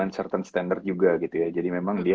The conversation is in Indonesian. dan certain standard juga gitu ya jadi memang dia